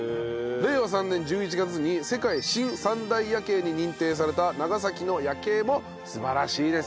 令和３年１１月に世界新三大夜景に認定された長崎の夜景も素晴らしいですよという。